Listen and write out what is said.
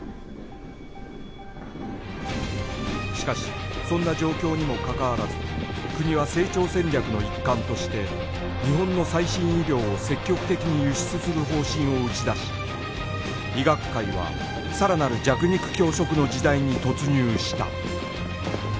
しかしそんな状況にもかかわらず国は成長戦略の一環として日本の最新医療を積極的に輸出する方針を打ち出し医学界はさらなる弱肉強食の時代に突入した